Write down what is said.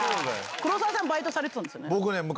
黒沢さん、バイトされてたんですよね？